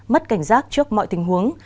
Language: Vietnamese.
mất cảnh giác trước mọi tình huống